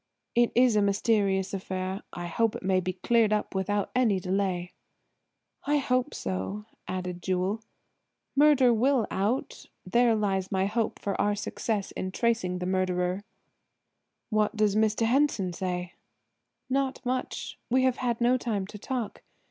It's a mysterious affair; I hope it may be cleared up without any delay." "I hope so," added Jewel. "Murder will out; there lies my hope for our success in tracing the murderer." "What does Mr. Henson say?" "Not much; we have had no time to talk.